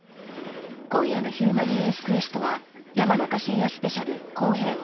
今夜の「ヒューマニエンスＱ」は「山中伸弥スペシャル」後編。